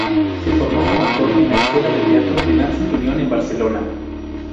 Se formó como actor en la Escuela de Teatro de Nancy Tuñón en Barcelona.